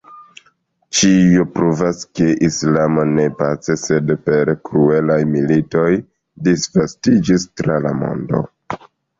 Ĉio pruvas, ke islamo ne pace sed per kruelaj militoj disvastiĝis tra la mondo.